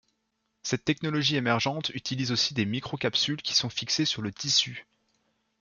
Cette technologie émergente utilise aussi des microcapsules qui sont fixées sur le tissu.